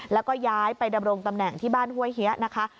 แล้วก็ย้ายไปดำรงตำแหน่งที่บ้านห้วยเฮียนะคะ